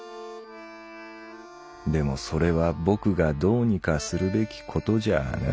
でもそれは僕がどうにかするべきことじゃあない。